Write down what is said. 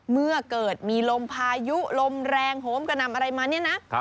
เมื่อเกิดมีลมพายุลมแรงโหมกระนำอะไรมาเนี่ยนะ